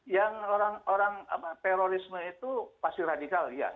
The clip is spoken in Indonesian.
yang orang orang apa terorisme itu pasti radikal ya